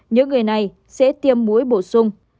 những người này sẽ tiêm mũi bổ sung